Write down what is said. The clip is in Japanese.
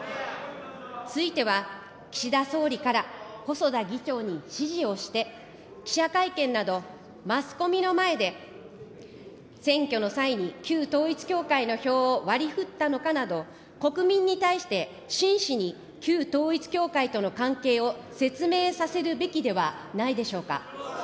ついては、岸田総理から細田議長に指示をして、記者会見など、マスコミの前で、選挙の際に旧統一教会の票を割りふったのかなど、国民に対して真摯に旧統一教会との関係を説明させるべきではないでしょうか。